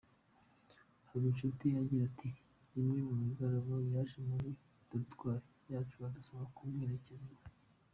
Habinshuti agira ati “Rimwe ari ku mugoroba yaje muri dorutwari yacu adusaba kumuherekeza iwe.